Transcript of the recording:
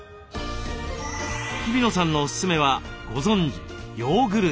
日比野さんのオススメはご存じヨーグルト。